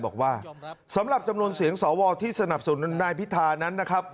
บอกว่าสำหรับจำนวนเสียงสวที่สนับสนุนนายพิธานั้นนะครับ